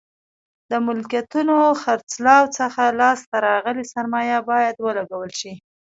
د ملکیتونو خرڅلاو څخه لاس ته راغلې سرمایه باید ولګول شي.